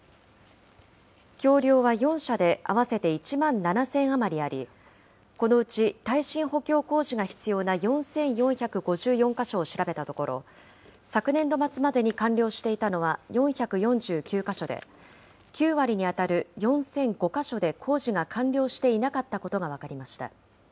橋りょうは４社で合わせて１万７０００余りあり、このうち耐震補強工事が必要な４４５４か所を調べたところ、昨年度末までに完了していたのは４４９か所で、９割に当たる４００５か所で工事が完了していなかったことが分かりました。